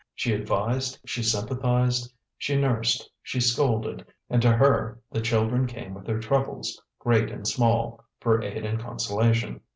She advised, she sympathized, she nursed, she scolded, and to her the children came with their troubles, great and small, for aid and consolation.